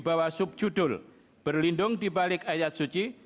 bahwa subjudul berlindung dibalik ayat suci